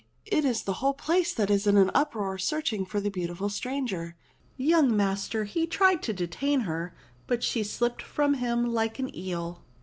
It is the whole place that is in an uproar searching for the beautiful stranger. Young master he tried to detain her ; but she slipped from him like an eel.